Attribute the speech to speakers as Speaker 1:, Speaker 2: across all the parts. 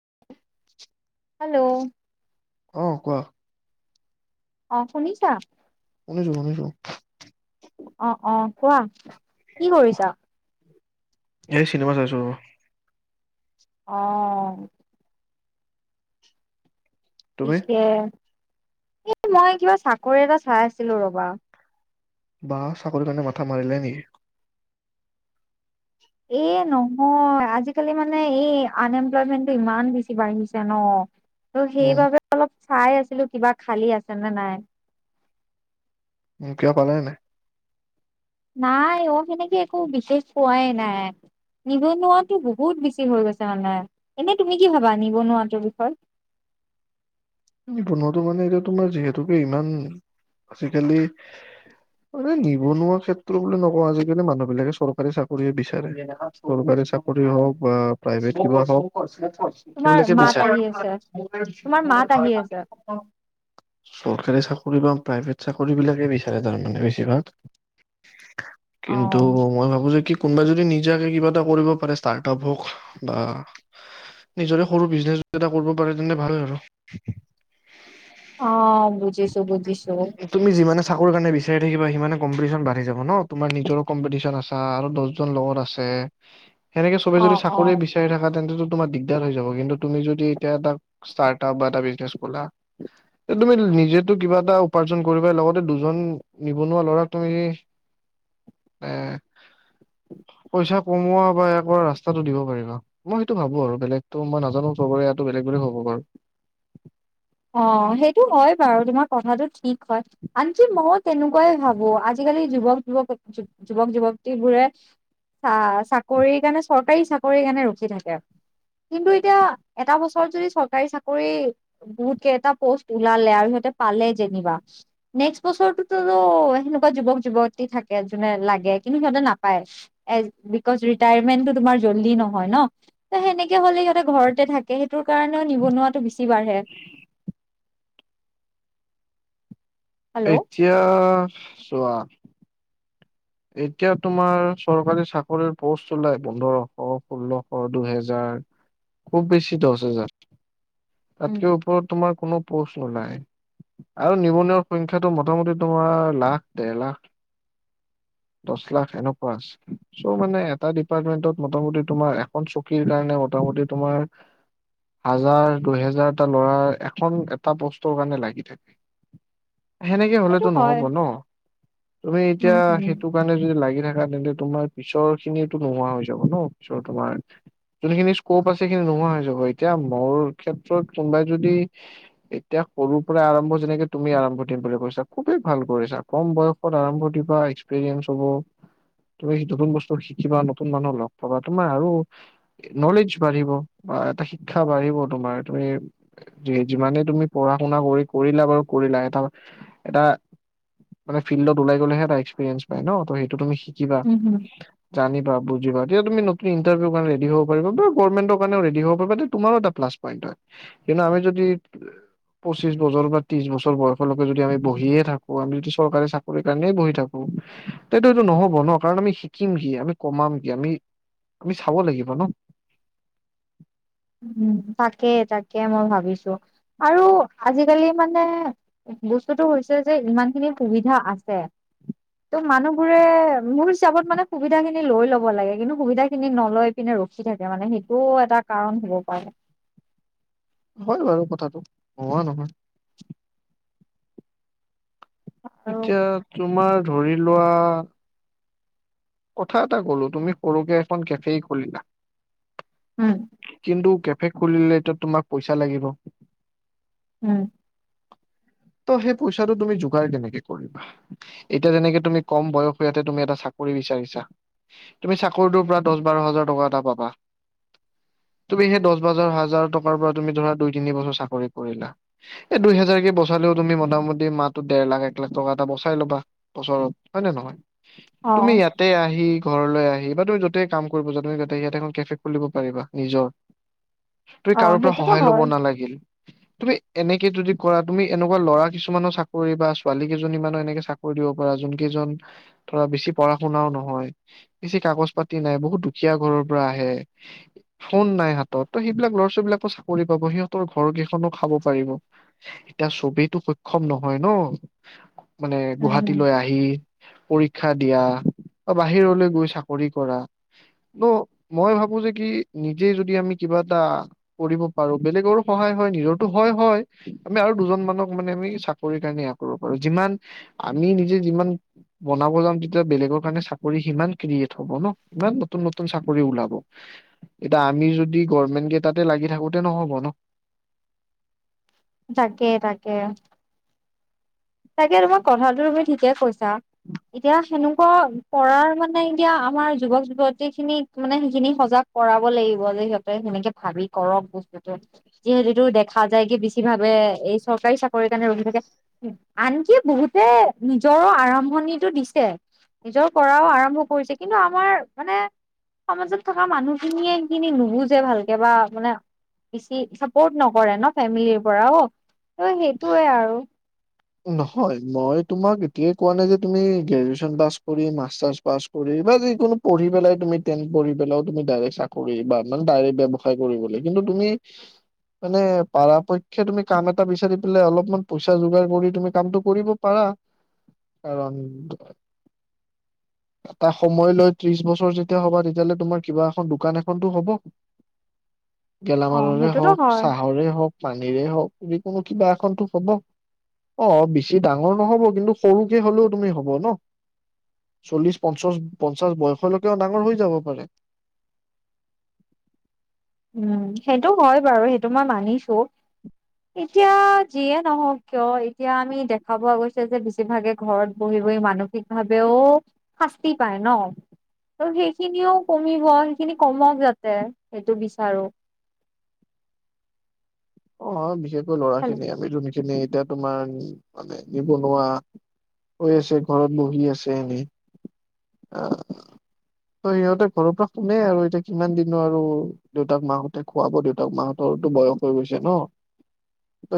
Speaker 1: [inaudible]
Speaker 2: Hello
Speaker 1: অ' কোৱা।
Speaker 2: অ' শুনিছা?
Speaker 1: [inaudible]
Speaker 2: অ' অ' কোৱা কি কৰিছা?
Speaker 1: এই চিনেমা চাইছোঁ।
Speaker 2: অ'
Speaker 1: তুমি
Speaker 2: পিছে এই মই কিবা চাকৰি এটা চাই আছিলো ৰবা।
Speaker 1: বা চাকৰিৰ কাৰণে মাথা মাৰিলা নেকি?
Speaker 2: এ নহয় আজিকালি মানে এই আনএমপ্লয়মেণ্টটো ইমান বেছি বাঢ়িছে ন। ত'
Speaker 1: উম
Speaker 2: সেইবাবে অলপ চাই আছিলো কিবা খালী আছে নে নাই।
Speaker 1: কিবা পালে নাই?
Speaker 2: নাই অ' সেনেকে একো বিশেষ পোৱাই নাই। নিবনুৱাটো বহুত বেছি হৈ গৈছে মানে এনে তুমি কি ভাবা নিবনুৱাটোৰ বিষয়ে? [inaudible]
Speaker 1: নিবনুৱাটোৰ মানে এতিয়া তোমাৰ যিহেতুকে ইমান আজিকালি মনে নিবনুৱা ক্ষেত্ৰ বুলি নকওঁ আজিকালি মানুহ বিলাকে চৰকাৰী চাকৰিয়ে বিচাৰে চৰকাৰ চাকৰি হওক বা প্ৰাইভেট বা হওক সকলো
Speaker 2: তোমাৰ
Speaker 1: লোকে
Speaker 2: মাত
Speaker 1: বিচাৰ।
Speaker 2: আহি আছে তোমাৰ মাত আহি
Speaker 1: [inaudible] প্ৰাইভেট
Speaker 2: আছে
Speaker 1: চাকৰি বিলাকে বিচাৰে তাৰমানে বেছিভাগ।
Speaker 2: অ
Speaker 1: কিন্তু মই ভাবো যে কি কোনোবাই যদি নিজাকে কিবা এটা কৰিব পাৰে ষ্টাৰ্টআপ হওক বা নিজৰে সৰু বিজনেছ এটা কৰিব পাৰে তেন্তে ভাল আৰু
Speaker 2: অ বুজিছো বুজিছো
Speaker 1: তুমি যিমানে চাকৰি কাৰণে বিচাৰি থাকিব সিমান কম্পিটিচন বাঢ়ি যাব ন তোমাৰ নিজৰো কম্পিটিচ্যন আছে আৰু দহজন লগত আছে সেনেকে চবে
Speaker 2: অ',
Speaker 1: যদি চাকৰিয়ে
Speaker 2: অ',
Speaker 1: বিচাৰি থকা তেন্তেো তোমাৰ দিগদাৰ হৈ যাব, কিন্তু তুমি যদি এতিয়া এটা ষ্টাৰটাপ বা এটা বিজনেছ খোলা এ তুমি নিজেতো কিবা এটা উপাৰ্জন কৰিবা, লগতে দুজন নিবনুৱা ল'ৰাক তুমি [unintelligible] পইচা কমোৱা বা একবাৰ ৰাস্তাটো দিব পাৰিবা। মই সেইটো ভাবোঁ আৰু, বেলেগতো মই নাজানো চবৰে এয়াটো বেলেগ বুলি হ'ব বাৰু।
Speaker 2: অ' সেইটো হয় বাৰু। তোমাৰ কথাটো ঠিক হয়। আনকি মইও তেনেকুৱাই ভাবোঁ, আজি কালি যুৱক- যুৱ- যুৱক-যুৱতীবোৰে চা- চাকৰিৰ কাৰণে চ ৰকাৰী চাকৰিৰ কাৰণে ৰখি থাকে। কিন্তু এতিয়া এটা বছৰত যদি চৰকাৰী চাকৰি বহুত কেইটা পোষ্ট ওলালে আৰু সিহঁতে পালে যেনিবা, নেক্স বছৰটোততো সেনেকুৱা যুৱ যুৱতী থাকে যোনে লাগে, কিন্তু সিহঁতে নাপায়। এ- বিকজ ৰিটায়াৰমেন্টটো তোমাৰ জল্দি নহয় ন'। এ সেনেকে হ'লে সিহঁতে ঘৰতে থাকে, সেইটোৰ কাৰণেও নিবনুৱাটো বেছি বাঢ়ে। হেল্ল'
Speaker 1: এতিয়া চোৱা এতিয়া তোমাৰ চৰকাৰী চাকৰিৰ পোষ্ট ওলায় পোন্ধৰশ, ষোল্লশ, দুহেজাৰ খুব বেছি দশ হাজাৰ।
Speaker 2: উম।
Speaker 1: তাতকে ওপৰত তোমাৰ কোনো পচ ওলাই আৰু নিবনুৱাৰ সংখ্যটো মোটামুটি তোমাৰ লাখ দেৰ লাখ।
Speaker 2: [inaudible]
Speaker 1: দচ লাখ এনেকুৱা আছে চ' মানে এটা ডিপাৰ্টমেন্টত মোটামুটি তোমাৰ এখন চকীৰ কাৰণে মটা মটামটি তোমাৰ হাজাৰ দুহেজাৰটা ল'ৰা এখন এটা পোষ্টৰ কাৰণে লাগি থাকে।
Speaker 2: [inaudible]
Speaker 1: সেনেকে
Speaker 2: সেইটো
Speaker 1: হলেতো
Speaker 2: হয়
Speaker 1: নহব ন, তুমি
Speaker 2: উম
Speaker 1: এতিয়া
Speaker 2: হম
Speaker 1: সেইটো কাৰণে যদি লাগি থাকা তেন্তে তোমাৰ পিছৰখিনিতো নোহোৱা হৈ যাব ন পিছৰ তোমাৰ যোনখিনি স্কপ আছে নোহোৱা হৈ যাব, এতিয়া মোৰ ক্ষেত্ৰত কোনোবাই যদি এতিয়া সৰুৰ পৰা আৰম্ভ তুমি আৰম্ভ দিম বুলি কৈছা খুবেই ভাল কৰিছা কম বয়সত আৰম্ভ দিম এক্সপিৰিয়েন্ঞ্চ হ'ব। তুমি নতুন বস্তু শিকিবা নতুন মানুহ লগ পাবা তোমাৰ আৰু নলেজ বাঢ়িব। বা এটা শিক্ষা বাঢ়িব তোমাৰ তুমি যিমানে তুমি পঢ়া শুনা কৰি কৰিলা বাৰু কৰি এটা এটা মানে ফিল্ডত ওলাই গলেহে টাই এক্সপিৰিয়েন্চ পায় ন সেইটো তুমি শিকিবা
Speaker 2: উম হম
Speaker 1: জানিবা বুজিবা তেতিয়া তুমি নতুন ইণ্টাৰভিউ কাৰণে ৰেডি হ'ব পাৰিবা বা গভমেন্টৰ কাৰণেও ৰেডি হব পাৰিবা তোমাৰো এটা প্লাছপইণ্ট। কিন্তু আমি যদি পঁচিশ বছৰ বা ত্ৰিশ বছৰ বয়সৰলৈকে যদি আমি বহিয়ে থাকো আমি যদি চৰকাৰী চাকৰিৰ কাৰণেই বহি থাকো তেতিয়াটো সেটো নহব ন কাৰণ আমি শিকিম কি আমি কমাম কি আমি আমি চাব লাগিব ন
Speaker 2: [inaudible] উম তাকেই তাকে মই ভাবিছো আৰু আজিকালি মানে বস্তুতো হৈছে যে ইমান খিনি সুবিধা আছে ত' মানুহবোৰে মোৰ হিচাপত মানে সুবিধা খিনি লৈ লব লাগে কিন্তু সুবিধা খিনি নলৈ পিনে ৰখি থাকে মানে সেইটোও এটা কাৰণ হ'ব পাৰে
Speaker 1: হয় বাৰু কথাটো হোৱা নহয়
Speaker 2: আৰু
Speaker 1: এতিয়া তোমাৰ ধৰি লোৱা কথা এটা কলো তুমি সৰুকে এখন কেফে খুলিলা
Speaker 2: উম
Speaker 1: কিন্তু কেফে খুলিলেতো তোমাক পইচা লাগিব
Speaker 2: উম
Speaker 1: ত সেই পইচাটো তুমি যোগাৰ কেনেকে কৰিবা এতিয়া যেনেকে তুমি কম বয়স ইয়াতে তুমি এটা চাকৰি বিচাৰিছা তুমি চাকৰিটোৰ পৰা দহ বাৰ হাজাৰ টকা এটা পাবা
Speaker 2: [inaudible]
Speaker 1: তুমি সেই দহ, বাৰ হাজাৰ টকাৰ পৰা তুমি ধৰা দুই, তিনি বছৰ চাকৰি কৰিলা। এই দুই হাজাৰ কে বছৰ চালেও তুমি মোতামুতি মাহটোত ডেৰ লাখ, এক লাখ, টকা এটা বচাই ল'বা বছৰত হয় নে নে নহয়।
Speaker 2: অ
Speaker 1: তুমি ইয়াতে আহি ঘৰলৈ আহি বা তুমি য'তেই কাম কৰিব যোৱা তুমি তাতে ইয়াতে এখন কেফে খুলিব পাৰিবা নিজৰ তুমি
Speaker 2: অ
Speaker 1: কাৰো পৰা
Speaker 2: সেইটোতো
Speaker 1: সহায় লব
Speaker 2: হয়
Speaker 1: নালাগে। তুমি এনেকে যদি কৰা। তুমি এনেকুৱা ল'ৰা কিছুমানৰ চাকৰি বা ছোৱালী কেইজনী ইমানো এনেকে চাকৰি দিব পাৰা যোন কেইজন ধৰা বেছি পঢ়া-শুনাও নহয়। বেছি কাগজ পাতি নাই বহুত দুখীয়া ঘৰৰ পৰা আহে। ফোন নাই হাতত ত' সেইবিলাক ল'ৰা- ছোৱালীবিলাকো চাকৰি পাব। সিহঁতৰ ঘৰ কেইখনো খাব পাৰিব।
Speaker 2: [inaudible]
Speaker 1: এতিয়া চবেই তো সক্ষম নহয় ন' মানে
Speaker 2: উম উম
Speaker 1: গুৱাহাটীলৈ আহি শিক্ষা দিয়া। বা বাহিৰলৈ গৈ চাকৰি কৰা ন' মই ভাবো যে কি নিজে যদি আমি কিবা কিবা এটা কৰিব পাৰো। বেলেগৰো সহায় হয় নিজৰো হয়, হয় আমি আৰু দুজন মানক মানে আমি চাকৰি কাৰণে এয়া কৰিব পাৰো যিমান আমি নিজে যিমান বনাব যাম তেতিয়া বেলেগৰ কাৰণে চাকৰি সিমান ক্ৰিয়েট হ'ব ন'। ইমান নতুন নতুন চাকৰি ওলাব। এতিয়া আমি যদি গভমেন্টকে তাতে লাগি থাকোতে নহব ন'।
Speaker 2: তাকে-তাকে। তাকে তোমাৰ কথাটো তুমি ঠিকে কৈছা এতিয়া সেনে কৰাৰ মানে এতিয়া আমাৰ যুৱক- যুৱতী খিনিত মানে সেইখিনি সজাগ কৰাব লাগিব। সিহঁতে সেনেকে ভাবি কৰক বস্তুতো যিহেতুটো দেখা যায় কি বেছি ভাবে এই চৰকাৰী চাকৰি কাৰণে ৰখি থাকে আনকি বহুতে নিজৰো আৰম্ভণিটো দিছে। নিজৰ কৰাও আৰম্ভ কৰিছে কিন্তু আমাৰ মানে সমাজত থকা মানুহখিনিয়ে সেইখিনি নুবুজে ভালকে বা আপোনাৰ বেছি চাপৰ্ট নকৰে ন ফেমিলিৰ পৰা অ' ত' সেইটোৱে আৰু
Speaker 1: নহয় মই তোমাক এতিয়াই কোৱা নাই যে তুমি গ্ৰেজোৱেচন পাছ মাষ্টাচ পাছ কৰি বা যি কোনো পঢ়ি পেলাই তুমি টেন পঢ়ি পেলাও তুমি ডাইৰেক্ট চাকৰি বা ইমান ডাইৰেক্ট ব্যবসায় কৰিব লে কিন্তু তুমি মানে পৰাপক্ষে তুমি কাম এটা বিচাৰি পেলাই অলপমান পইচা যোগাৰ কৰি তুমি কামটো কৰিব পাৰা কাৰণ
Speaker 2: [inaudible]
Speaker 1: এটা সময় লৈ ত্ৰিশ বছৰ যেতিয়া হ'বা তেতিয়ালে তোমাৰ কিবা এখন দোকান এখনটো হ'ব।
Speaker 2: [inaudible] অ
Speaker 1: গেলামালৰে
Speaker 2: সেইটোতো
Speaker 1: হওঁক,
Speaker 2: হয়
Speaker 1: চাহৰে হওঁক, পানীৰে হওঁক যি কোনো কিবা এখন টো হ'ব। অ' বেছি ডাঙৰ নহ'ব কিন্তু সৰুকে হলেও তুমি হ'ব ন। চল্লিশ পঞ্চাশ পঞ্চাছ বয়সলৈকেও ডাঙৰ হৈ যাব পাৰে।
Speaker 2: উম সেইটো হয় বাৰু সেইটো মই মানিছোঁ। এতিয়া যিয়ে নহওঁক কিয় এতিয়া আমি দেখা পোৱা গৈছে যে বেছিভাগে ঘৰত বহি মানসিক ভাৱেও শাস্তি পায় ন। ত' সেইখিনিও কমিব সেইখিনি কমক যাতে সেইটো বি চাৰো।
Speaker 1: অ' বিশেষকৈ ল'ৰা খিনি আমি যোনখিনি এতিয়া তোমাৰ মানে নিবনুৱা হৈ আছে ঘৰত বহি আছে এনেই আহ ত' সিহঁতে ঘৰৰ পৰা শুনে আৰু এতিয়া কিমান দিনো আৰু দেউতাক মাঁহতে খুৱাব দেউতাক মাঁহতৰ টো বয়স হৈ গৈছে ন।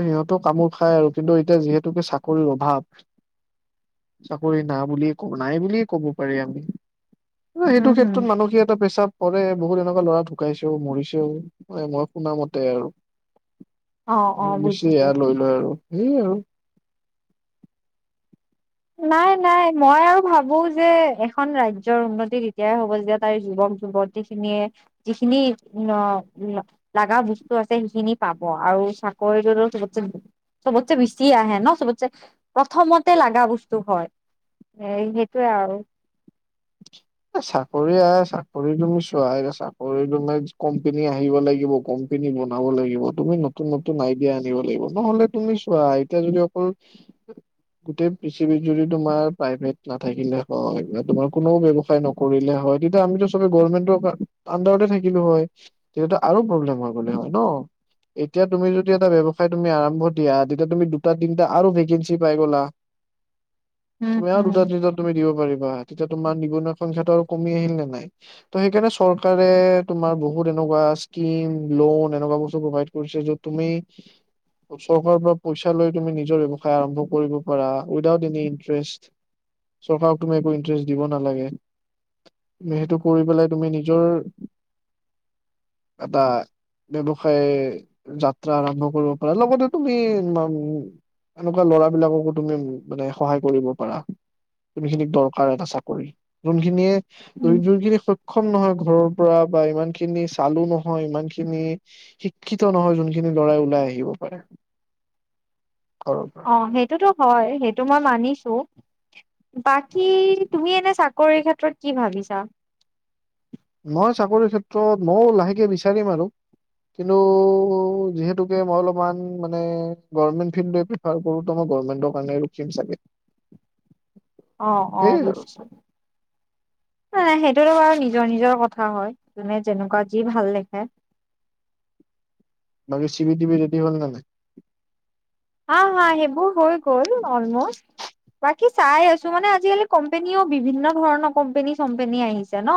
Speaker 1: সিহঁতেও কামোৰ খাই আৰু কিন্তু এতিয়া যিহেতুকে চাকৰিৰ অভাৱ। চাকৰি না বুলি ক নাই বুলিয়ে ক'ব পাৰি আমি। [unintelligible] সেইটো
Speaker 2: উম হুম
Speaker 1: ক্ষেত্ৰত মানসিক কি এটা প্ৰেচাৰ পৰে। বহুত এনেকোৱা ল'ৰা ঢুকাইছেও মৰিছেও, মানে মই শুনা মতে আৰু। অ', বেছি এয়া লৈ লই আৰু সেই আৰু।
Speaker 2: নাই নাই মই আৰু ভাবো যে এখন ৰাজ্যৰ উন্নতি তেতিয়াই হ'ব যেতিয়া তাইৰ যুৱক টি যিখিনি বস্তু আছে সেইখিনি পাব আৰু আৰু চাকৰিটো চবতে চবতে বেছি আহে ন চবত প্ৰথমতে লাগা বস্তু হয় এ সেইটোৱে আৰু।
Speaker 1: চাকৰি আহ চাকৰি তুমি চোৱা চাকৰি তোমাৰ কোম্পনী আহিব লাগিব পিনি বনাব লাগিব তুমি নতুন নতুন আইডিয়া আনিব লাগিব নহলে তুমি চোৱা এতিয়া যদি অকল
Speaker 2: [inaudible]
Speaker 1: গোটেই পৃথিৱীত যদি তোমাৰ প্ৰাইভেট নাথাকিলে হয় বা তোমাৰ কোনো ব্যৱ হয় আম থাকিলো হয় তেতি আৰু প্ৰবলেম হয় ন। এতিয়া তুমি যদি এটা ব্যৱসায় তুমি আৰম্ভ দিয়া তেতিয়া তুমি দুটা তিনটা আৰু ভেকেঞ্চি পাই গ'লা
Speaker 2: [inaudible] উম,
Speaker 1: তুমি আৰু
Speaker 2: উম।
Speaker 1: দুটা তিনটা তুমি দিব পাৰিবা তেতিয়া তোমাৰ নিব ন সংখ্যাটো আৰু কমি আহিল নে নাই। ত সেইকাৰণে চৰকাৰে তোমাৰ বহুত এনেকোৱা ইস্কিম এনেকুৱা বস্ত প্ৰভাইট কৰিছে যে তুমি চৰকাৰৰ পৰা পইচা লৈ তুমি নিজৰ ব্যৱসায় আৰম্ভ কৰিব পাৰা উইদাউট এনি ইণ্টাৰেষ্ট চৰকাৰক তুমি একো ইণ্টাৰেষ্ট দিব নালাগে। তুমি সেইটো কৰি পেলাই তুমি নিজৰ এটা ব্যৱসায় যাত্ৰা আৰম্ভ কৰিব পাৰা, লগতে তুমি এনেকুৱা লৰাবিলাককো তুমি মানে সহায় কৰিব পাৰা তুমি খিনিক দৰকাৰ এটা চাকৰি যোনখিনিয়ে
Speaker 2: উম,
Speaker 1: যোনখিনি সক্ষম নহয় ঘৰৰ পৰা বা ইমান খিনি চালো নহয় ইমান খিনি শিক্ষিত নহয় যোনখিনি লৰাই ওলাই আহিব পাৰে।
Speaker 2: [inaudible]
Speaker 1: ঘৰৰ পৰা
Speaker 2: অঁ সেইটোতো হয় সেইটো মই মানিছো। বাকী তুমি এনে চাকৰিৰ ক্ষেত্ৰত কি ভাবিছা?
Speaker 1: মই চাকৰিৰ ক্ষেত্ৰত ময়ো লাহেকে বিচাৰিম আৰু। কিন্ত যিহেতুকে মই অলপ ম গ ফ্ প্ৰফো গভমেণ্টৰ কাৰণে ৰুখিম চাগে।
Speaker 2: অ অ
Speaker 1: সেইয়াই আৰু
Speaker 2: নিশ্চয়। নাই সেইটোতো বাৰু নিজৰ নিজৰ কথা হয় যোনে যেনেকুৱা যি ভাল দেখে। [inaudible]
Speaker 1: বাকী চিভি টিভি ৰেডি হ'ল ন নাই?
Speaker 2: হা হা সেইবোৰ হৈ গ'ল অলম'ষ্ট। বাকী চাই আছো মানে আজিকালি কোম্পেনীও বিভিন্ন ধৰণৰ কোম্পেনী চম্পেনী আহিছে ন?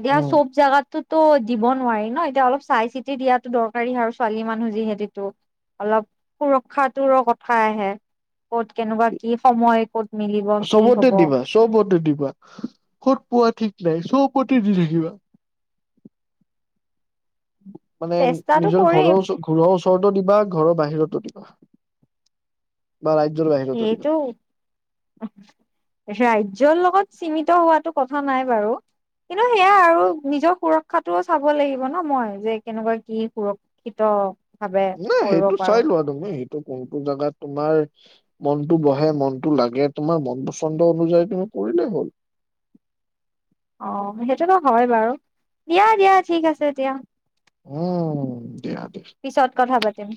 Speaker 2: এতিয়া
Speaker 1: উম
Speaker 2: চব জাগাত টোতো দিব নোৱাৰি ন এতিয়া অলপ চাই চিতি দিয়াতো দৰকাৰী আৰু ছোৱালী মানুহ যিহেতো অলপ সুৰক্ষাটোৰো কথা আহে ক'ত কেনেকুৱা কি সময় ক'ত- মিলিব কি
Speaker 1: চবতে
Speaker 2: হব
Speaker 1: দিবা, চবতে দিব বা। ক'ত পোৱা ঠিক নাই, চবতে দি থাকিবা। মানে
Speaker 2: চেষ্টাটো
Speaker 1: নিজৰ ঘৰৰ
Speaker 2: কৰিম
Speaker 1: ওচ- ঘৰৰ ওচৰতো দিবা, ঘৰৰ বাহিৰতো দিবা। বা ৰাজ্যৰ বাহিৰতো দিবা
Speaker 2: সেইটো সেয়াই জৰ লগত চিনিত হোৱাটো কথা নাই বাৰু। কিন্তু সেয়া আৰু, নিজৰ সুৰক্ষাটোও চাব লাগিব ন মই, যে কেনেকুৱা কি সুৰক্ষিত অ'।
Speaker 1: নাই, সেইটো চাই লোৱা তুমি। টো কোনটো জেগাত তোমাৰ মনটো বহে, মনটো লাগে, তোমাৰ মন পছন্দ অনুযায়ী তুমি কৰিলে হ'ল।
Speaker 2: অ' সেইটোতো হয় বাৰু। দিয়া - দিয়া, ঠিক আছে এতিয়া।
Speaker 1: উম, দিয়া দে।
Speaker 2: পিছত কথা পাতিম